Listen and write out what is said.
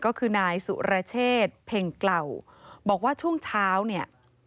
ก็คือนายสุรเชษเพ็งกล่าวบอกว่าช่วงเช้าเนี่ย